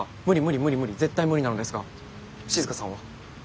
絶対無理なのですが静さんは。